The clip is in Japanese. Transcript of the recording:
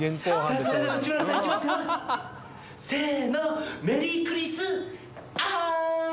せの。